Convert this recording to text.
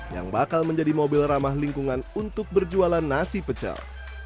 yang bakal menjadi mobil ramah lingkungan untuk berjualan nasi pecel